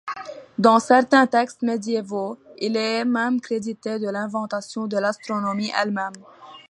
Dans certains textes médiévaux, il est même crédité de l'invention de l'astronomie elle-même.